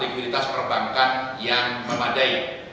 likuiditas perbankan yang memadai